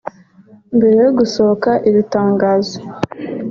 Mbere yo gusohora iri tangazo